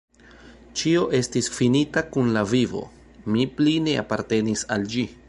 Ĉio estis finita kun la vivo: mi pli ne apartenis al ĝi.